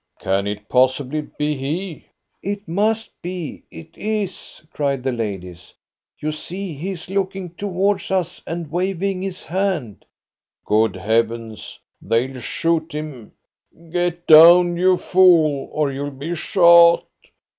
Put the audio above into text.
"Can it possibly be he?" "It must be. It is!" cried the ladies. "You see he is looking towards us and waving his hand." "Good Heavens! They'll shoot him! Get down, you fool, or you'll be shot!"